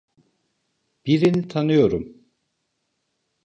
Birini tanıyorum.